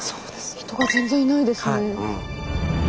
人が全然いないですね。